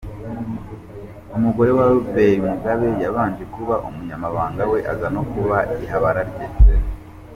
Umugore wa Robert Mugabe yabanje kuba umunyamabanga we, aza no kuba ihabara rye.